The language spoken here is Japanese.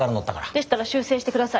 でしたら修正して下さい。